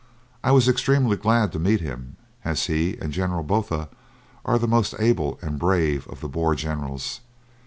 I was extremely glad to meet him, as he and General Botha are the most able and brave of the Boer generals.